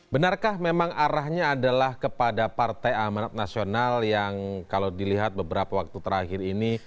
benarkah memang arahnya adalah kepada partai amanat nasional yang kalau dilihat beberapa waktu terakhir ini